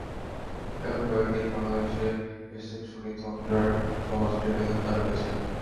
এখন কয়েক দিন বাংলাদেশে এসেছেন শুনেই তন্দ্রার বাবা ছুটে গেলেন তাঁর কাছে।